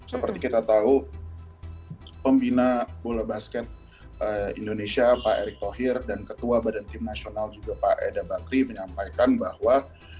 seperti kita tahu pembina bola basket indonesia pak erick thohir dan ketua badan tim nasional juga pak eda bakri menyampaikan bahwa